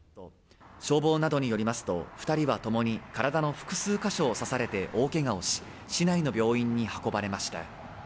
消防などによりますと、２人は共に、体の複数箇所を刺されて大けがをし市内に病院に運ばれました。